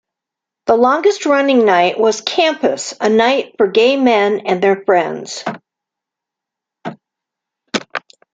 Its longest-running night was "Campus", a night "for gay men and their friends".